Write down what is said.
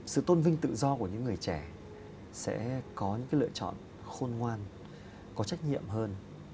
sự tôn vinh tự do của những người trẻ sẽ có những lựa chọn khôn ngoan có trách nhiệm hơn